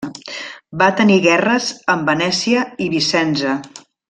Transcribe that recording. Va tenir guerres amb Venècia i Vicenza.